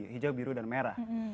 hijau biru dan merah